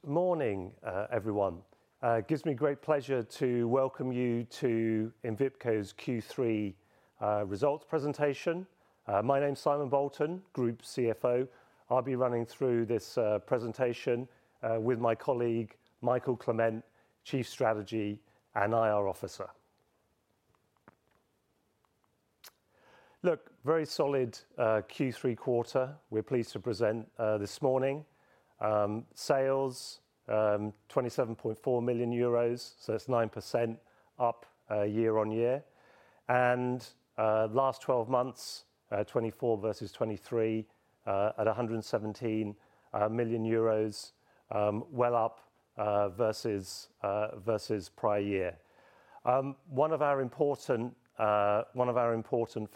Good morning, everyone. It gives me great pleasure to welcome you to Envipco's Q3 results presentation. My name is Simon Bolton, Group CFO. I'll be running through this presentation with my colleague, Michael Clement, Chief Strategy and IR Officer. Look, very solid Q3 quarter. We're pleased to present this morning. Sales, 27.4 million euros, so that's 9% up year on year, and last 12 months, 2024 versus 2023, at 117 million euros, well up versus prior year. One of our important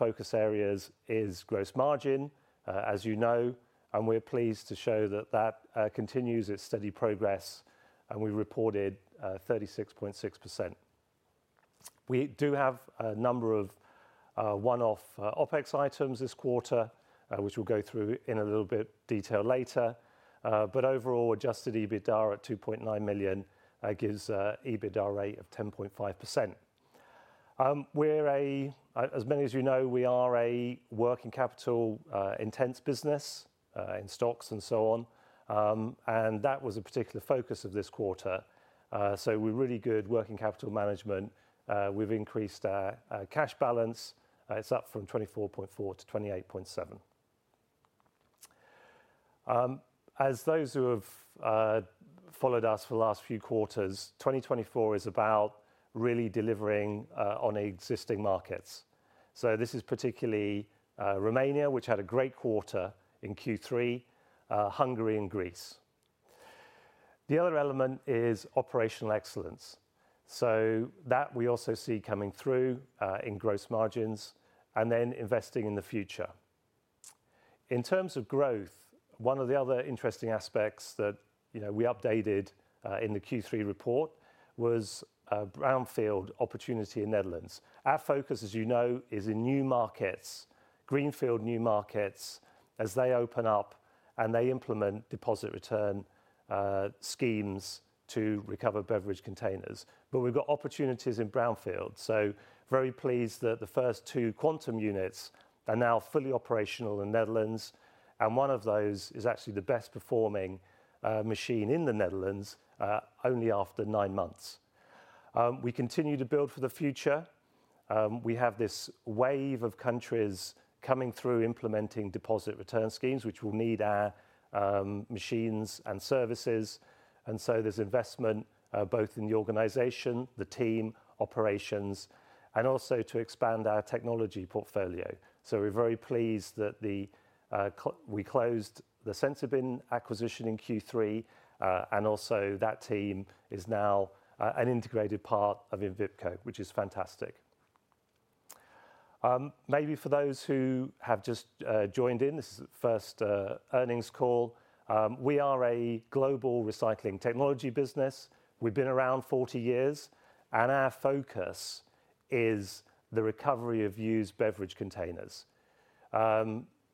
focus areas is gross margin, as you know, and we're pleased to show that that continues its steady progress, and we reported 36.6%. We do have a number of one-off OPEX items this quarter, which we'll go through in a little bit detail later, but overall, adjusted EBITDA at 2.9 million gives an EBITDA rate of 10.5%. As many of you know, we are a working capital intensive business in stocks and so on, and that was a particular focus of this quarter. So we're really good working capital management. We've increased our cash balance. It's up from 24.4 to 28.7. As those who have followed us for the last few quarters, 2024 is about really delivering on existing markets. So this is particularly Romania, which had a great quarter in Q3, Hungary and Greece. The other element is operational excellence. So that we also see coming through in gross margins and then investing in the future. In terms of growth, one of the other interesting aspects that we updated in the Q3 report was brownfield opportunity in Netherlands. Our focus, as you know, is in new markets, Greenfield new markets, as they open up and they implement deposit return schemes to recover beverage containers. But we've got opportunities in brownfield. So very pleased that the first two Quantum units are now fully operational in Netherlands, and one of those is actually the best performing machine in the Netherlands, only after nine months. We continue to build for the future. We have this wave of countries coming through, implementing deposit return schemes, which will need our machines and services. And so there's investment both in the organization, the team, operations, and also to expand our technology portfolio. So we're very pleased that we closed the Sensibin acquisition in Q3, and also that team is now an integrated part of Envipco, which is fantastic. Maybe for those who have just joined in, this is the first earnings call. We are a global recycling technology business. We've been around 40 years, and our focus is the recovery of used beverage containers.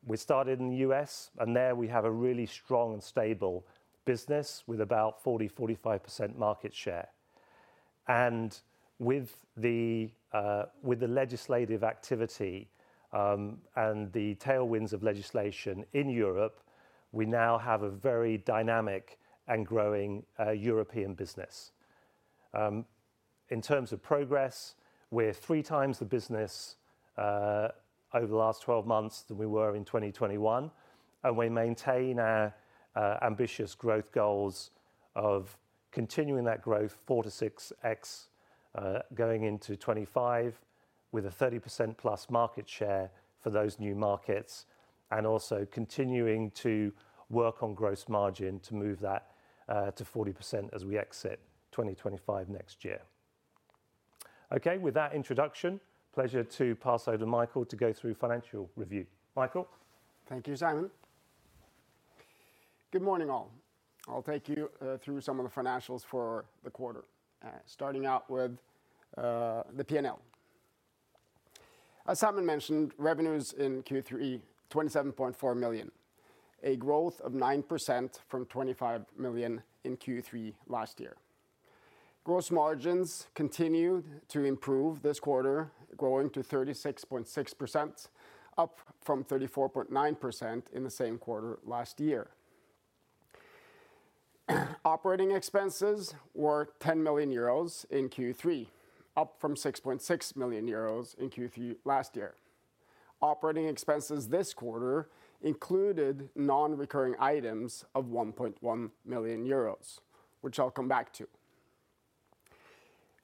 We started in the U.S., and there we have a really strong and stable business with about 40%-45% market share. And with the legislative activity and the tailwinds of legislation in Europe, we now have a very dynamic and growing European business. In terms of progress, we're 3x the business over the last 12 months than we were in 2021, and we maintain our ambitious growth goals of continuing that growth 4x-6x going into 2025 with a 30%+ market share for those new markets, and also continuing to work on gross margin to move that to 40% as we exit 2025 next year. Okay, with that introduction, pleasure to pass over to Michael Clement to go through financial review. Michael. Thank you, Simon. Good morning, all. I'll take you through some of the financials for the quarter, starting out with the P&L. As Simon mentioned, revenues in Q3, 27.4 million, a growth of 9% from 25 million in Q3 last year. Gross margins continue to improve this quarter, growing to 36.6%, up from 34.9% in the same quarter last year. Operating expenses were 10 million euros in Q3, up from 6.6 million euros in Q3 last year. Operating expenses this quarter included non-recurring items of 1.1 million euros, which I'll come back to.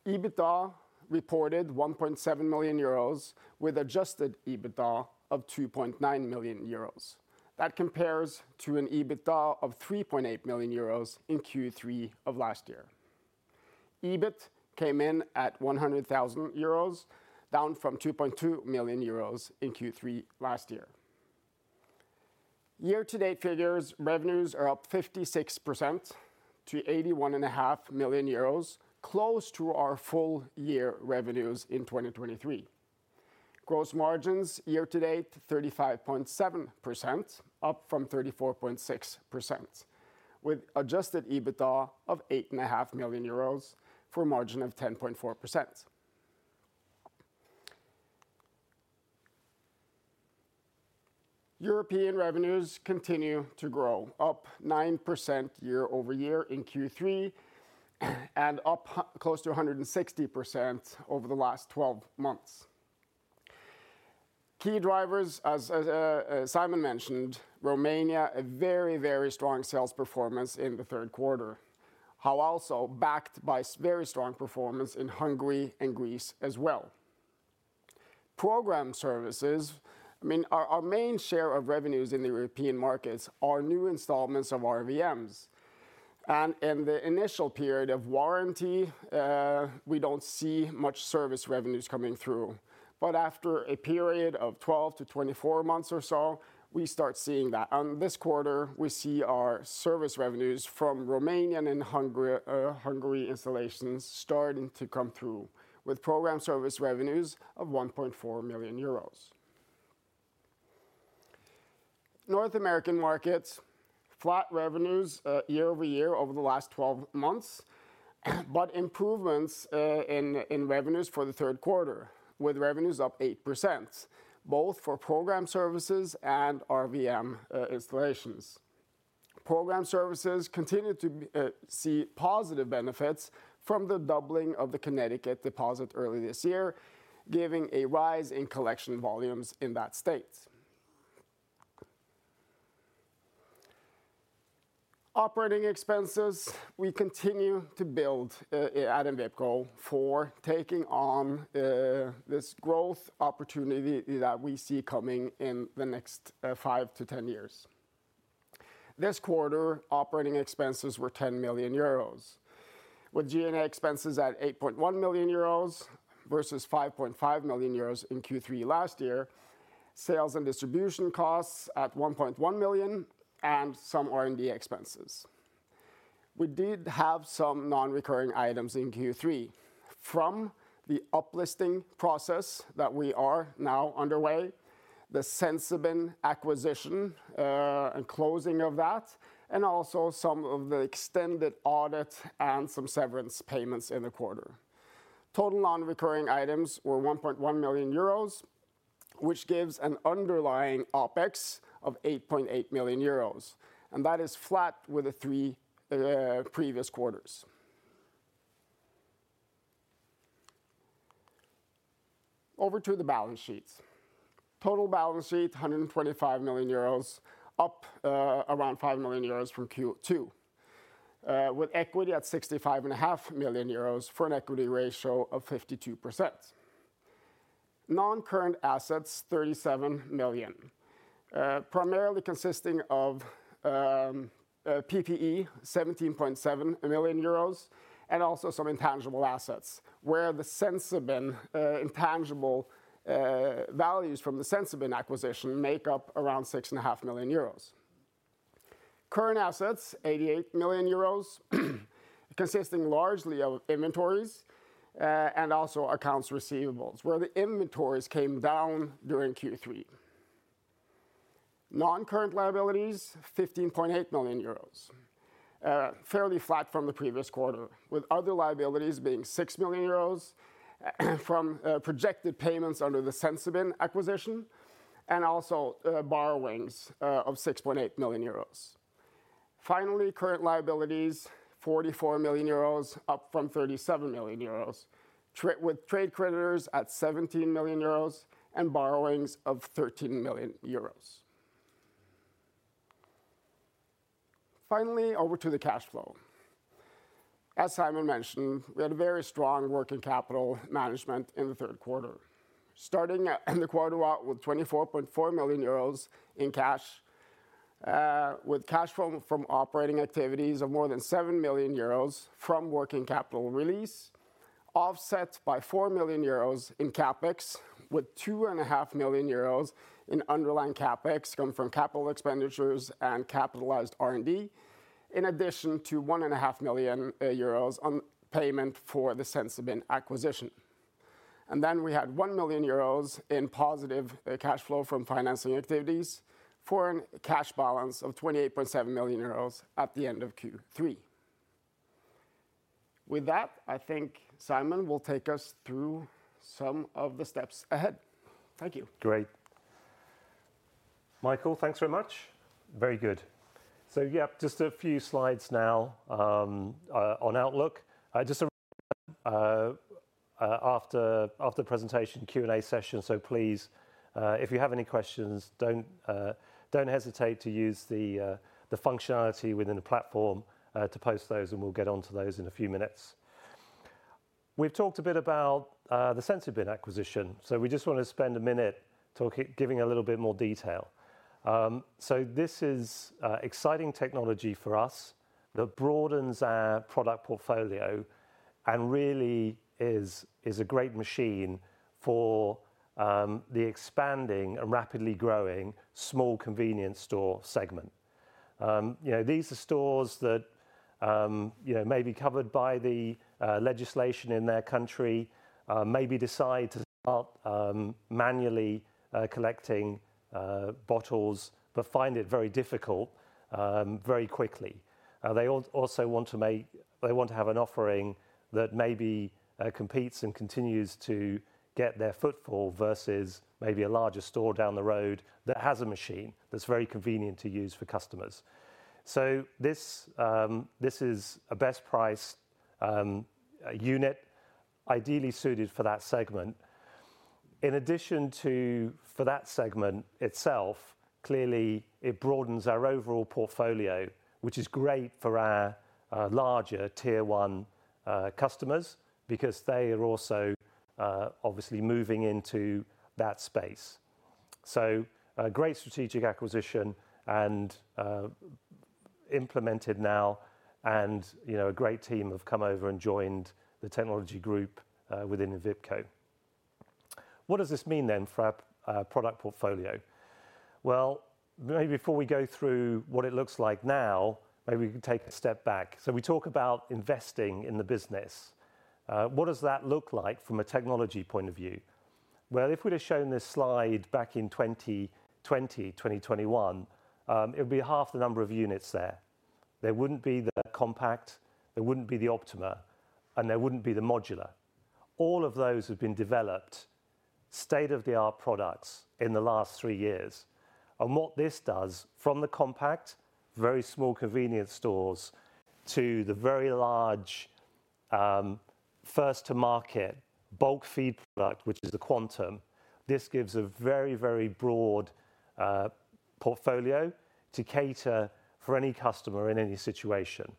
EBITDA reported 1.7 million euros with adjusted EBITDA of 2.9 million euros. That compares to an EBITDA of 3.8 million euros in Q3 of last year. EBIT came in at 100,000 euros, down from 2.2 million euros in Q3 last year. Year-to-date figures, revenues are up 56% to 81.5 million euros, close to our full year revenues in 2023. Gross margins year-to-date 35.7%, up from 34.6%, with adjusted EBITDA of 8.5 million euros for a margin of 10.4%. European revenues continue to grow, up 9% year over year in Q3 and up close to 160% over the last 12 months. Key drivers, as Simon mentioned, Romania, a very, very strong sales performance in the tQ3, now also backed by very strong performance in Hungary and Greece as well. Program services, I mean, our main share of revenues in the European markets are new installations of RVMs, and in the initial period of warranty, we don't see much service revenues coming through. But after a period of 12 to 24 months or so, we start seeing that, and this quarter, we see our service revenues from Romanian and Hungary installations starting to come through, with program service revenues of 1.4 million euros. North American markets, flat revenues year over year over the last 12 months, but improvements in revenues for the Q3, with revenues up 8%, both for program services and RVM installations. Program services continue to see positive benefits from the doubling of the Connecticut deposit early this year, giving a rise in collection volumes in that state. Operating expenses, we continue to build at Envipco for taking on this growth opportunity that we see coming in the next five to 10 years. This quarter, operating expenses were 10 million euros, with G&A expenses at 8.1 million euros versus 5.5 million euros in Q3 last year, sales and distribution costs at 1.1 million, and some R&D expenses. We did have some non-recurring items in Q3 from the uplisting process that we are now underway, the Sensibin acquisition and closing of that, and also some of the extended audit and some severance payments in the quarter. Total non-recurring items were 1.1 million euros, which gives an underlying OPEX of 8.8 million euros, and that is flat with the three previous quarters. Over to the balance sheets. Total balance sheet, 125 million euros, up around 5 million euros from Q2, with equity at 65.5 million euros for an equity ratio of 52%. Non-current assets, 37 million, primarily consisting of PPE, 17.7 million euros, and also some intangible assets, where the Sensibin intangible values from the Sensibin acquisition make up around 6.5 million euros. Current assets, 88 million euros, consisting largely of inventories and also accounts receivables, where the inventories came down during Q3. Non-current liabilities, 15.8 million euros, fairly flat from the previous quarter, with other liabilities being 6 million euros from projected payments under the Sensibin acquisition and also borrowings of 6.8 million euros. Finally, current liabilities, 44 million euros, up from 37 million euros, with trade creditors at 17 million euros and borrowings of 13 million euros. Finally, over to the cash flow. As Simon mentioned, we had a very strong working capital management in the Q3, starting the quarter out with 24.4 million euros in cash, with cash flow from operating activities of more than 7 million euros from working capital release, offset by 4 million euros in CapEx, with 2.5 million euros in underlying CapEx come from capital expenditures and capitalized R&D, in addition to 1.5 million euros on payment for the Sensibin acquisition, and then we had 1 million euros in positive cash flow from financing activities for a cash balance of 28.7 million euros at the end of Q3. With that, I think Simon will take us through some of the steps ahead. Thank you. Great. Michael, thanks very much. Very good. So yeah, just a few slides now on Outlook. Just a reminder, after the presentation, Q&A session, so please, if you have any questions, don't hesitate to use the functionality within the platform to post those, and we'll get on to those in a few minutes. We've talked a bit about the Sensibin acquisition, so we just want to spend a minute giving a little bit more detail. So this is exciting technology for us that broadens our product portfolio and really is a great machine for the expanding and rapidly growing small convenience store segment. These are stores that may be covered by the legislation in their country, maybe decide to start manually collecting bottles, but find it very difficult very quickly. They also want to have an offering that maybe competes and continues to get their footfall versus maybe a larger store down the road that has a machine that's very convenient to use for customers. So this is a best priced unit, ideally suited for that segment. In addition to for that segment itself, clearly it broadens our overall portfolio, which is great for our larger tier one customers because they are also obviously moving into that space. So great strategic acquisition and implemented now, and a great team have come over and joined the technology group within Envipco. What does this mean then for our product portfolio? Well, maybe before we go through what it looks like now, maybe we can take a step back. So we talk about investing in the business. What does that look like from a technology point of view? If we'd have shown this slide back in 2020, 2021, it would be half the number of units there. There wouldn't be the Compact, there wouldn't be the Optima, and there wouldn't be the Modula. All of those have been developed state-of-the-art products in the last three years. What this does, from the Compact, very small convenience stores, to the very large first-to-market bulk feed product, which is the Quantum, this gives a very, very broad portfolio to cater for any customer in any situation.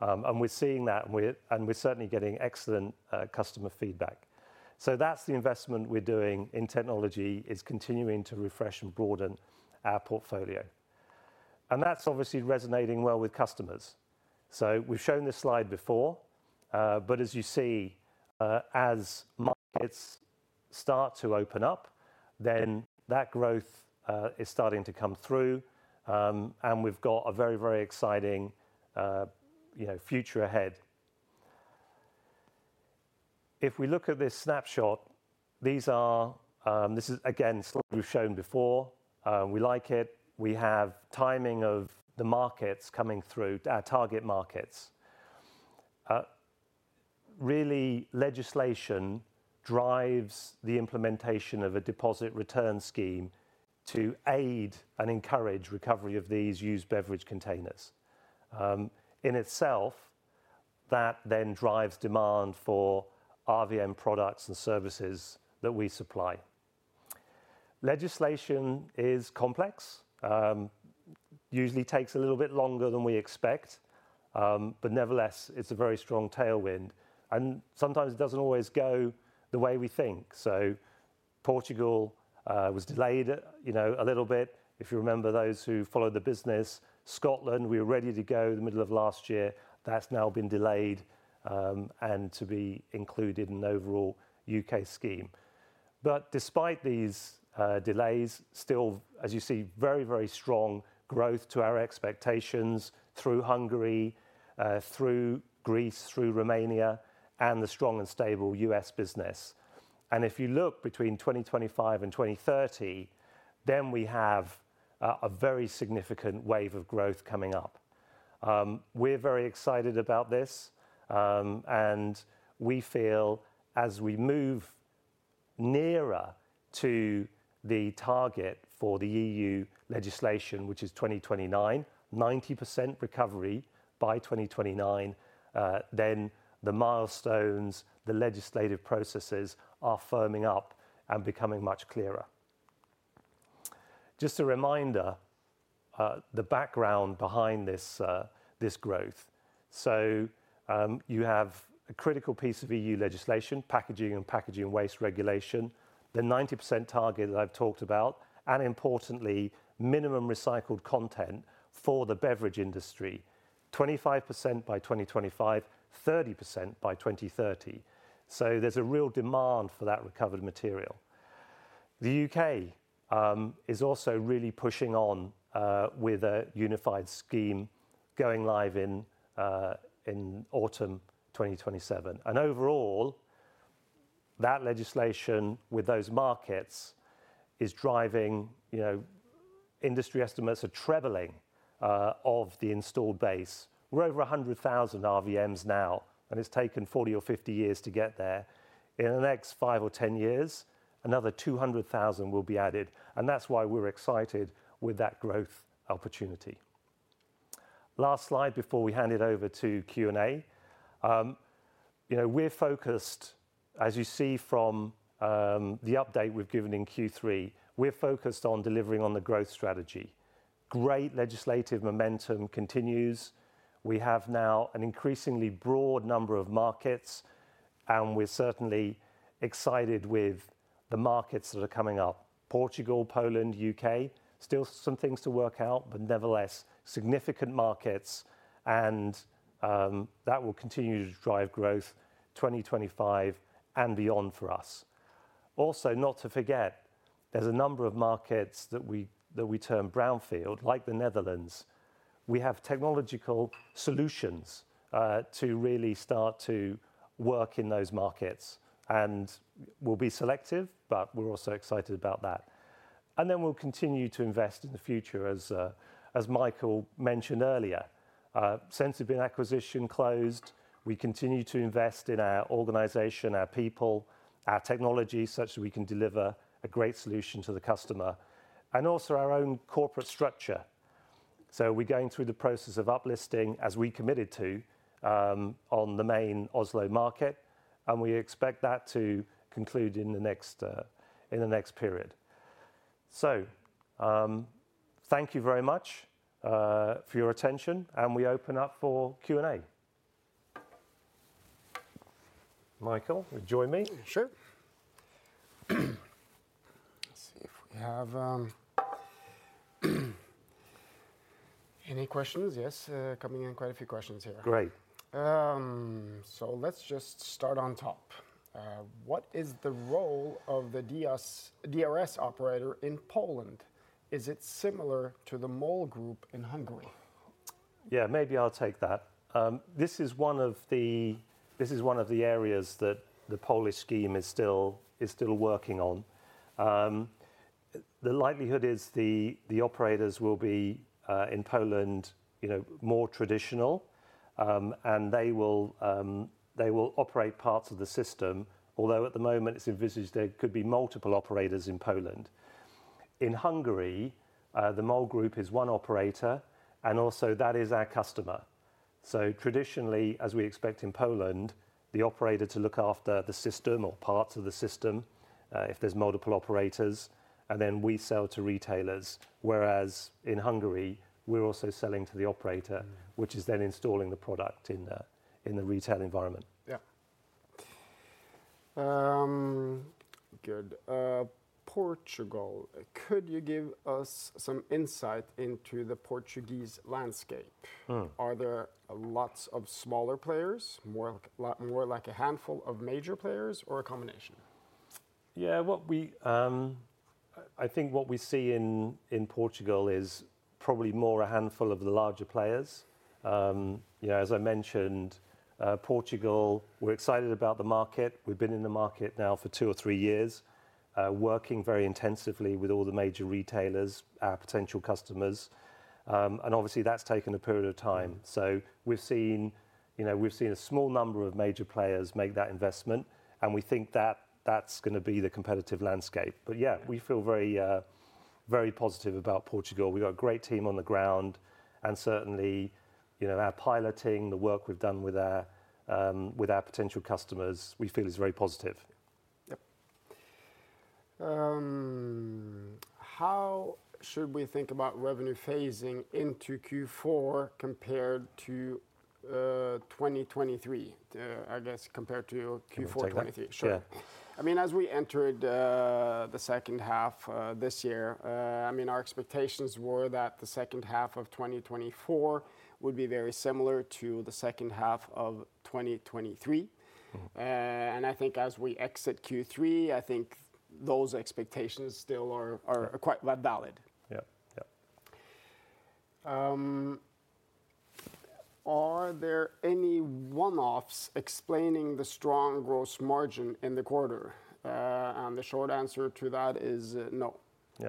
We're seeing that, and we're certainly getting excellent customer feedback. That's the investment we're doing in technology is continuing to refresh and broaden our portfolio. That's obviously resonating well with customers. So we've shown this slide before, but as you see, as markets start to open up, then that growth is starting to come through, and we've got a very, very exciting future ahead. If we look at this snapshot, this is, again, slide we've shown before. We like it. We have timing of the markets coming through, our target markets. Really, legislation drives the implementation of a deposit return scheme to aid and encourage recovery of these used beverage containers. In itself, that then drives demand for RVM products and services that we supply. Legislation is complex, usually takes a little bit longer than we expect, but nevertheless, it's a very strong tailwind. And sometimes it doesn't always go the way we think. So Portugal was delayed a little bit. If you remember those who follow the business, Scotland, we were ready to go the middle of last year. That's now been delayed and to be included in the overall U.K. scheme. But despite these delays, still, as you see, very, very strong growth to our expectations through Hungary, through Greece, through Romania, and the strong and stable U.S. business. And if you look between 2025 and 2030, then we have a very significant wave of growth coming up. We're very excited about this, and we feel as we move nearer to the target for the EU legislation, which is 2029, 90% recovery by 2029, then the milestones, the legislative processes are firming up and becoming much clearer. Just a reminder, the background behind this growth. So you have a critical piece of EU legislation, Packaging and Packaging Waste Regulation, the 90% target that I've talked about, and importantly, minimum recycled content for the beverage industry, 25% by 2025, 30% by 2030. There's a real demand for that recovered material. The U.K. is also really pushing on with a unified scheme going live in autumn 2027. And overall, that legislation with those markets is driving industry estimates. They are trebling of the installed base. We're over 100,000 RVMs now, and it's taken 40 or 50 years to get there. In the next five or 10 years, another 200,000 will be added. And that's why we're excited with that growth opportunity. Last slide before we hand it over to Q&A. We're focused, as you see from the update we've given in Q3, we're focused on delivering on the growth strategy. Great legislative momentum continues. We have now an increasingly broad number of markets, and we're certainly excited with the markets that are coming up: Portugal, Poland, U.K. Still some things to work out, but nevertheless, significant markets, and that will continue to drive growth 2025 and beyond for us. Also, not to forget, there's a number of markets that we term Brownfield, like the Netherlands. We have technological solutions to really start to work in those markets, and we'll be selective, but we're also excited about that. And then we'll continue to invest in the future, as Michael mentioned earlier. Sensibin acquisition closed. We continue to invest in our organization, our people, our technology, such that we can deliver a great solution to the customer, and also our own corporate structure. So we're going through the process of uplisting, as we committed to, on the main Oslo market, and we expect that to conclude in the next period. So thank you very much for your attention, and we open up for Q&A. Michael, join me. Sure. Let's see if we have any questions. Yes, coming in quite a few questions here. Great. So let's just start on top. What is the role of the DRS operator in Poland? Is it similar to the MOL Group in Hungary? Yeah, maybe I'll take that. This is one of the areas that the Polish scheme is still working on. The likelihood is the operators will be in Poland more traditional, and they will operate parts of the system, although at the moment it's envisaged there could be multiple operators in Poland. In Hungary, the MOL Group is one operator, and also that is our customer. So traditionally, as we expect in Poland, the operator to look after the system or parts of the system if there's multiple operators, and then we sell to retailers, whereas in Hungary, we're also selling to the operator, which is then installing the product in the retail environment. Yeah. Good. Portugal, could you give us some insight into the Portuguese landscape? Are there lots of smaller players, more like a handful of major players or a combination? Yeah, I think what we see in Portugal is probably more a handful of the larger players. As I mentioned, Portugal, we're excited about the market. We've been in the market now for two or three years, working very intensively with all the major retailers, our potential customers. And obviously, that's taken a period of time. So we've seen a small number of major players make that investment, and we think that that's going to be the competitive landscape. But yeah, we feel very positive about Portugal. We've got a great team on the ground, and certainly our piloting, the work we've done with our potential customers, we feel is very positive. Yep. How should we think about revenue phasing into Q4 compared to 2023, I guess, compared to Q4 2023? Sure. I mean, as we entered the H2 this year, I mean, our expectations were that the H2 of 2024 would be very similar to the H2 of 2023, and I think as we exit Q3, I think those expectations still are quite valid. Yeah, yeah. Are there any one-offs explaining the strong gross margin in the quarter? And the short answer to that is no. Yeah.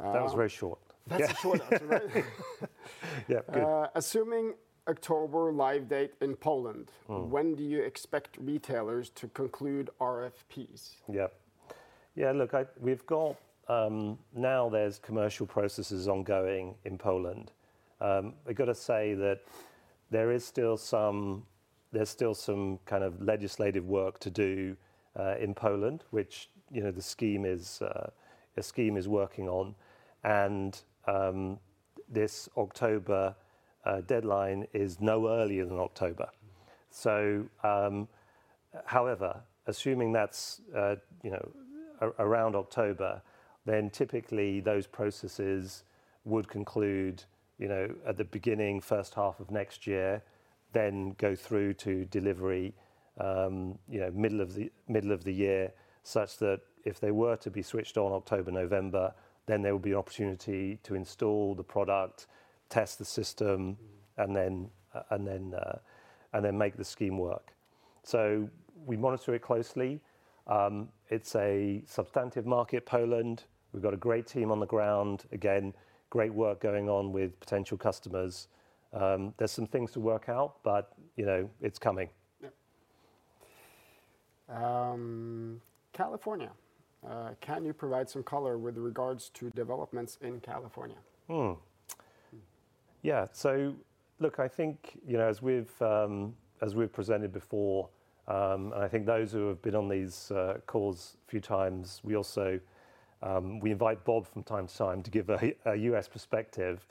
That was very short. That's a short answer, right? Yeah, good. Assuming October live date in Poland, when do you expect retailers to conclude RFPs? Yeah. Yeah, look, we've got now there's commercial processes ongoing in Poland. We've got to say that there is still some kind of legislative work to do in Poland, which the scheme is working on and this October deadline is no earlier than October, so however, assuming that's around October, then typically those processes would conclude at the beginning, H1 of next year, then go through to delivery middle of the year, such that if they were to be switched on October, November, then there will be an opportunity to install the product, test the system, and then make the scheme work, so we monitor it closely. It's a substantial market, Poland. We've got a great team on the ground. Again, great work going on with potential customers. There's some things to work out, but it's coming. Yeah. California, can you provide some color with regards to developments in California? Yeah. So look, I think as we've presented before, and I think those who have been on these calls a few times, we invite Bob from time to time to give a U.S. perspective.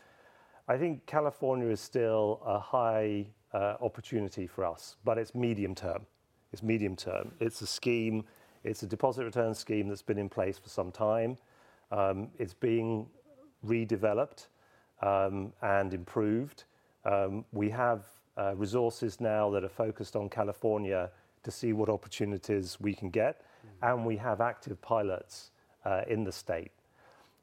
I think California is still a high opportunity for us, but it's medium term. It's medium term. It's a scheme. It's a deposit return scheme that's been in place for some time. It's being redeveloped and improved. We have resources now that are focused on California to see what opportunities we can get, and we have active pilots in the state.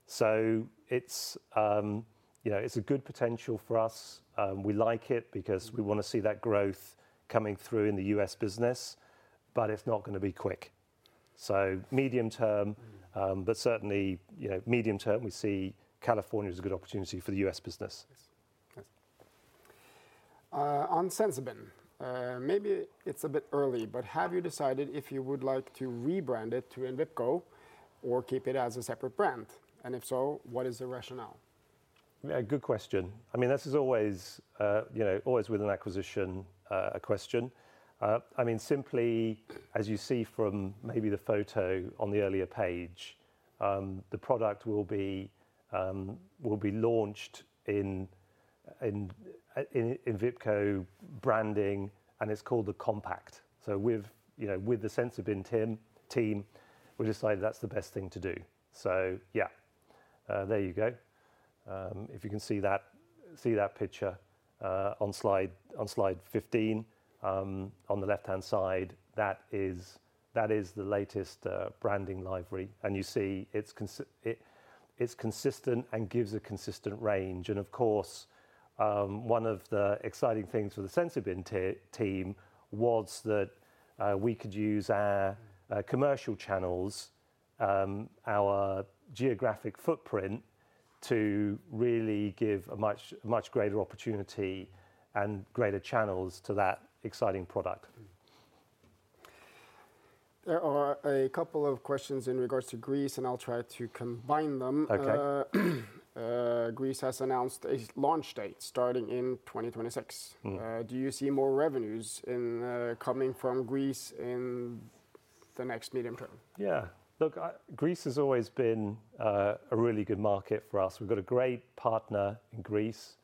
So it's a good potential for us. We like it because we want to see that growth coming through in the U.S. business, but it's not going to be quick. So medium term, but certainly medium term, we see California as a good opportunity for the U.S. business. On Sensibin, maybe it's a bit early, but have you decided if you would like to rebrand it to Envipco or keep it as a separate brand? And if so, what is the rationale? Good question. I mean, this is always with an acquisition question. I mean, simply, as you see from maybe the photo on the earlier page, the product will be launched in Envipco branding, and it's called the Compact. So with the Sensibin team, we decided that's the best thing to do. So yeah, there you go. If you can see that picture on slide 15 on the left-hand side, that is the latest branding library. And you see it's consistent and gives a consistent range. And of course, one of the exciting things for the Sensibin team was that we could use our commercial channels, our geographic footprint, to really give a much greater opportunity and greater channels to that exciting product. There are a couple of questions in regards to Greece, and I'll try to combine them. Greece has announced a launch date starting in 2026. Do you see more revenues coming from Greece in the next medium term? Yeah. Look, Greece has always been a really good market for us. We've got a great partner in Greece.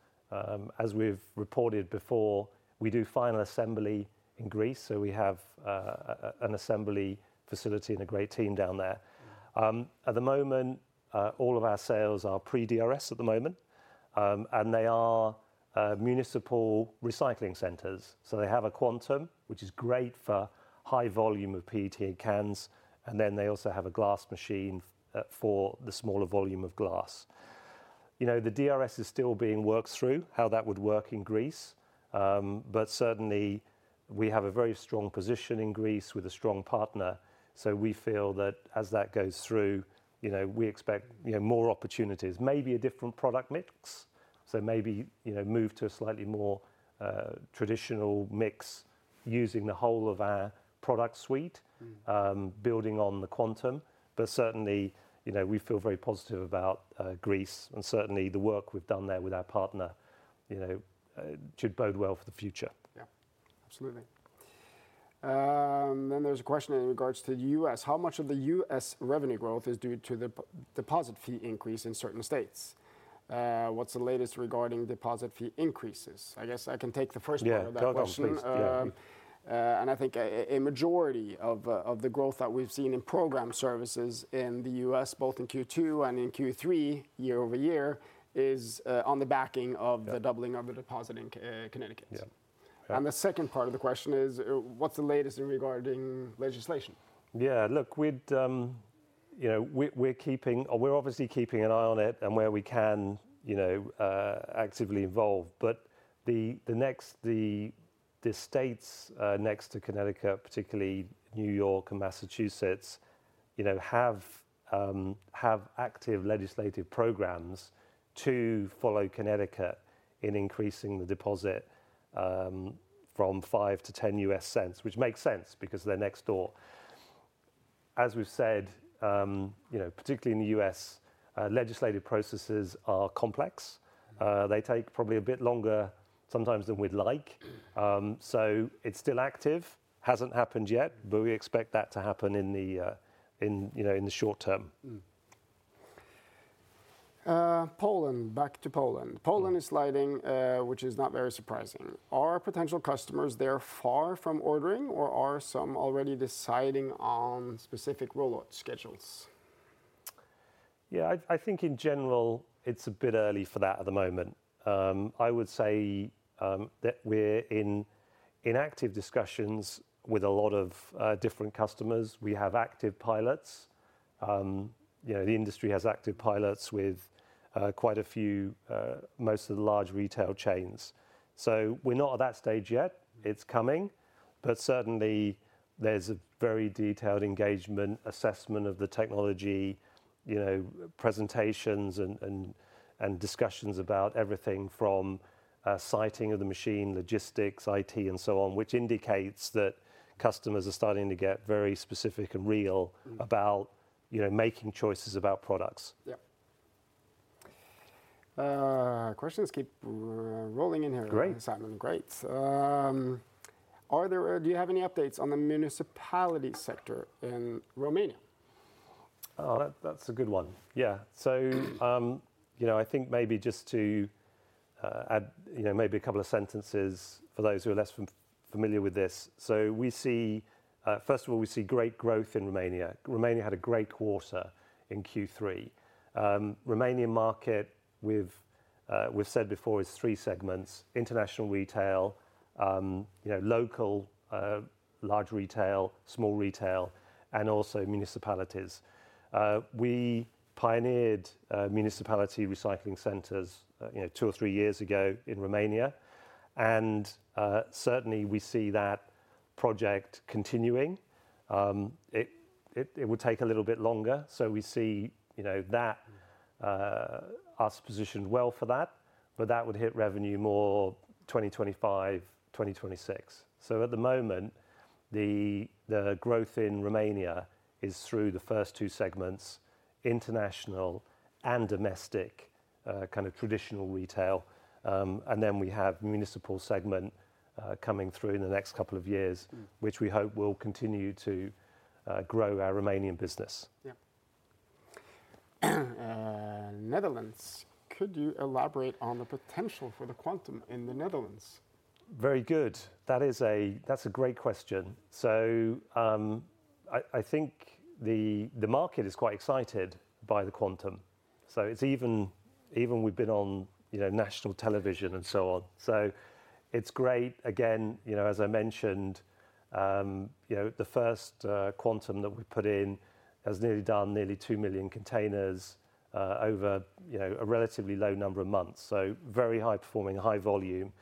As we've reported before, we do final assembly in Greece. So we have an assembly facility and a great team down there. At the moment, all of our sales are pre-DRS, and they are municipal recycling centers. So they have a Quantum, which is great for high volume of PET cans, and then they also have a glass machine for the smaller volume of glass. The DRS is still being worked through, how that would work in Greece, but certainly we have a very strong position in Greece with a strong partner. So we feel that as that goes through, we expect more opportunities, maybe a different product mix. So maybe move to a slightly more traditional mix using the whole of our product suite, building on the Quantum. But certainly, we feel very positive about Greece, and certainly the work we've done there with our partner should bode well for the future. Yeah, absolutely. Then there's a question in regards to the U.S. How much of the U.S. revenue growth is due to the deposit fee increase in certain states? What's the latest regarding deposit fee increases? I guess I can take the first part of that question. Yeah, definitely. I think a majority of the growth that we've seen in program services in the U.S., both in Q2 and in Q3, year over year, is on the back of the doubling of the deposit in Connecticut. Yeah. The second part of the question is, what's the latest regarding legislation? Yeah, look, we're obviously keeping an eye on it and where we can actively involve. But the states next to Connecticut, particularly New York and Massachusetts, have active legislative programs to follow Connecticut in increasing the deposit from $0.05 to $0.10, which makes sense because they're next door. As we've said, particularly in the U.S., legislative processes are complex. They take probably a bit longer sometimes than we'd like. So it's still active. Hasn't happened yet, but we expect that to happen in the short term. Poland, back to Poland. Poland is sliding, which is not very surprising. Are potential customers there far from ordering, or are some already deciding on specific rollout schedules? Yeah, I think in general, it's a bit early for that at the moment. I would say that we're in active discussions with a lot of different customers. We have active pilots. The industry has active pilots with quite a few, most of the large retail chains. So we're not at that stage yet. It's coming. But certainly, there's a very detailed engagement assessment of the technology, presentations, and discussions about everything from siting of the machine, logistics, IT, and so on, which indicates that customers are starting to get very specific and real about making choices about products. Yeah. Questions keep rolling in here, Simon. Great. Do you have any updates on the municipality sector in Romania? Oh, that's a good one. Yeah. So I think maybe just to add maybe a couple of sentences for those who are less familiar with this. So first of all, we see great growth in Romania. Romania had a great quarter in Q3. Romania market, we've said before, is three segments: international retail, local large retail, small retail, and also municipalities. We pioneered municipality recycling centers two or three years ago in Romania. And certainly, we see that project continuing. It would take a little bit longer. So we see that we're positioned well for that, but that would hit revenue more 2025, 2026. So at the moment, the growth in Romania is through the first two segments, international and domestic kind of traditional retail. And then we have municipal segment coming through in the next couple of years, which we hope will continue to grow our Romanian business. Yeah. Netherlands, could you elaborate on the potential for the Quantum in the Netherlands? Very good. That's a great question. So I think the market is quite excited by the Quantum. So even we've been on national television and so on. So it's great. Again, as I mentioned, the first Quantum that we put in has nearly done 2 million containers over a relatively low number of months. So very high performing, high volume.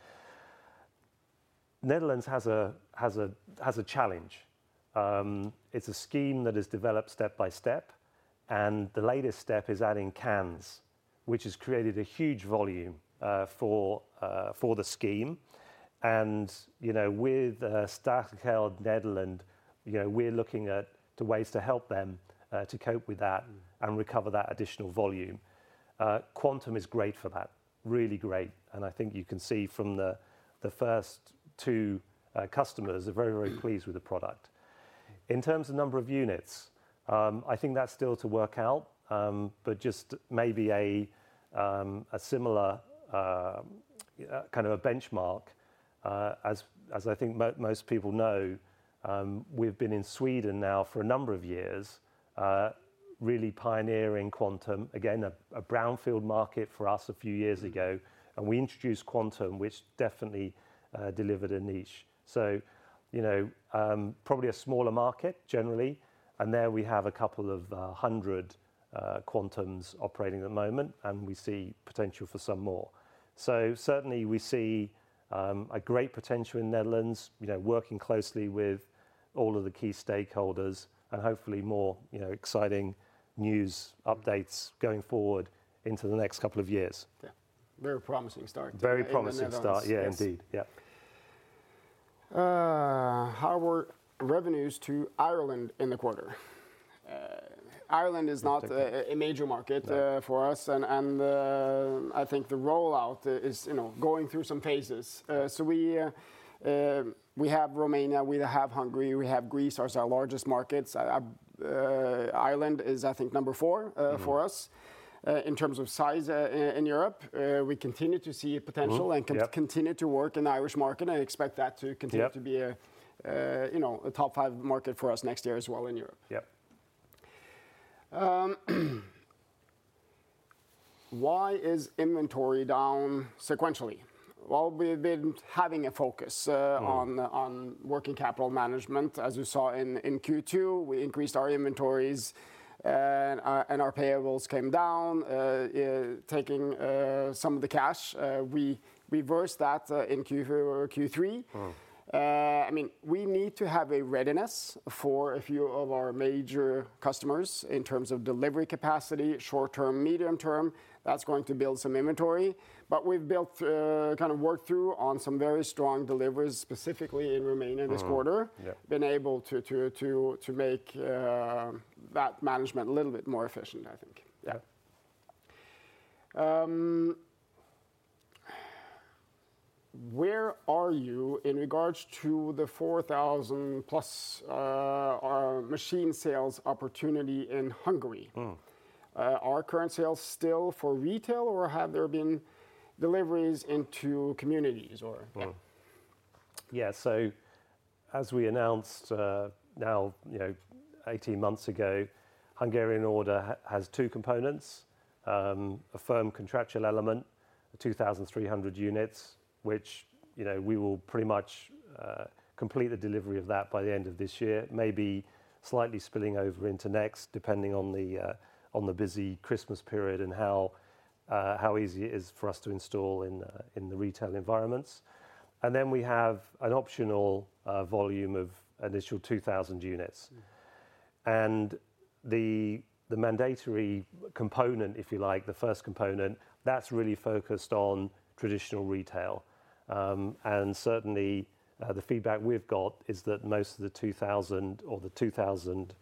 Netherlands has a challenge. It's a scheme that is developed step by step, and the latest step is adding cans, which has created a huge volume for the scheme. And with Statiegeld Nederland, we're looking at ways to help them to cope with that and recover that additional volume. Quantum is great for that, really great. And I think you can see from the first two customers are very, very pleased with the product. In terms of number of units, I think that's still to work out, but just maybe a similar kind of a benchmark. As I think most people know, we've been in Sweden now for a number of years, really pioneering Quantum. Again, a Brownfield market for us a few years ago, and we introduced Quantum, which definitely delivered a niche. So probably a smaller market generally, and there we have a couple of hundred Quantums operating at the moment, and we see potential for some more. So certainly, we see a great potential in Netherlands, working closely with all of the key stakeholders, and hopefully more exciting news updates going forward into the next couple of years. Yeah. Very promising start. Very promising start, yeah, indeed. Yeah. How are revenues to Ireland in the quarter? Ireland is not a major market for us, and I think the rollout is going through some phases. So we have Romania, we have Hungary, we have Greece. Those are our largest markets. Ireland is, I think, number four for us in terms of size in Europe. We continue to see potential and continue to work in the Irish market, and I expect that to continue to be a top five market for us next year as well in Europe. Yeah. Why is inventory down sequentially? Well, we've been having a focus on working capital management, as you saw in Q2. We increased our inventories, and our payables came down, taking some of the cash. We reversed that in Q3. I mean, we need to have a readiness for a few of our major customers in terms of delivery capacity, short-term, medium-term. That's going to build some inventory. But we've kind of worked through on some very strong deliveries specifically in Romania this quarter, been able to make that management a little bit more efficient, I think. Yeah. Where are you in regards to the 4,000 plus machine sales opportunity in Hungary? Are current sales still for retail, or have there been deliveries into communities? Yeah. So as we announced now 18 months ago, Hungarian order has two components, a firm contractual element, 2,300 units, which we will pretty much complete the delivery of that by the end of this year, maybe slightly spilling over into next, depending on the busy Christmas period and how easy it is for us to install in the retail environments. And then we have an optional volume of initial 2,000 units. And the mandatory component, if you like, the first component, that's really focused on traditional retail. And certainly, the feedback we've got is that most of the 2,000 or the 2,000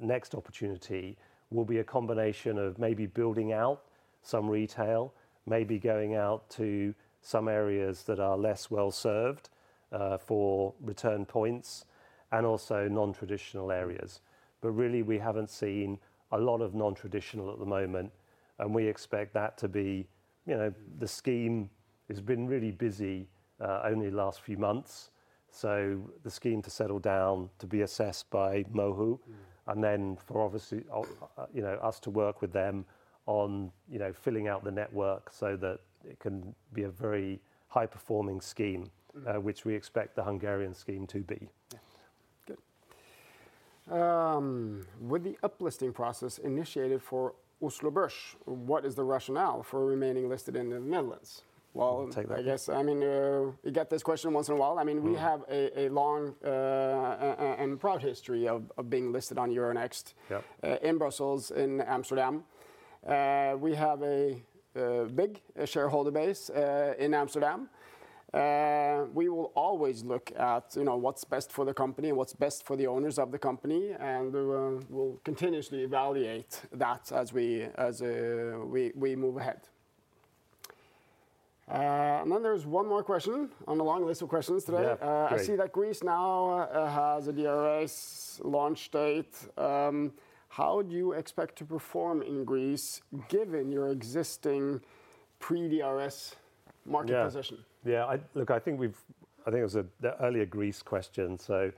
next opportunity will be a combination of maybe building out some retail, maybe going out to some areas that are less well served for return points, and also non-traditional areas. But really, we haven't seen a lot of non-traditional at the moment, and we expect that to be. The scheme has been really busy only the last few months. So the scheme to settle down, to be assessed by MOHU, and then for us to work with them on filling out the network so that it can be a very high performing scheme, which we expect the Hungarian scheme to be. Good. With the uplisting process initiated for Oslo Børs, what is the rationale for remaining listed in the Netherlands? Well, take that. I guess, I mean, you get this question once in a while. I mean, we have a long and proud history of being listed on Euronext in Brussels, in Amsterdam. We have a big shareholder base in Amsterdam. We will always look at what's best for the company, what's best for the owners of the company, and we'll continuously evaluate that as we move ahead. And then there's one more question on the long list of questions today. I see that Greece now has a DRS launch date. How do you expect to perform in Greece given your existing pre-DRS market position? Yeah. Yeah. Look, I think it was an earlier Greece question. So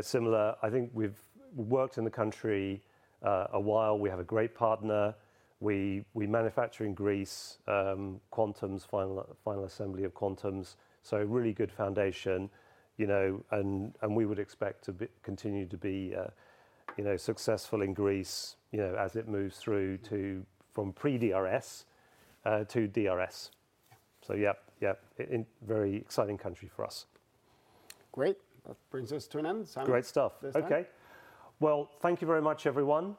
similar, I think we've worked in the country a while. We have a great partner. We manufacture in Greece Quantums, final assembly of Quantums. So really good foundation. And we would expect to continue to be successful in Greece as it moves through from pre-DRS to DRS. So yeah, yeah, very exciting country for us. Great. That brings us to an end. Great stuff. Okay. Well, thank you very much, everyone.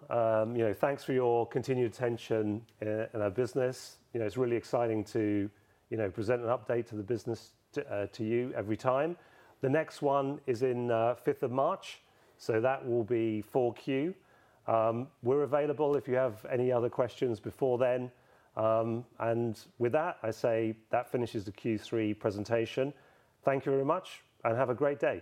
Thanks for your continued attention in our business. It's really exciting to present an update to the business to you every time. The next one is in 5th of March. So that will be 4Q. We're available if you have any other questions before then. And with that, I say that finishes the Q3 presentation. Thank you very much, and have a great day.